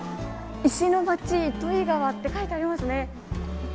「石のまち糸魚川」って書いてありますね。